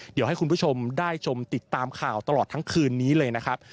เดี๋ยวให้คุณผู้ชมได้ชมติดตามข่าวตลอดทั้งคืนนี้เลยนะครับ